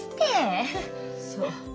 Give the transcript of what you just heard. そう。